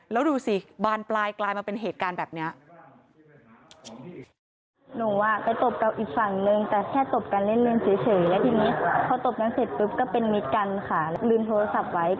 แล้วดูสิบานปลายกลายมาเป็นเหตุการณ์แบบนี้